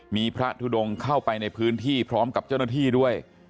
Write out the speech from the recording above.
มีพระทุดงเข้าไปในพื้นที่พร้อมกับเจ้าหน้าที่ด้วย